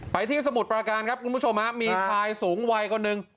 ที่สมุทรปราการครับคุณผู้ชมฮะมีชายสูงวัยคนหนึ่ง